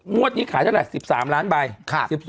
นี้ขายเท่าไหร่๑๓ล้านใบ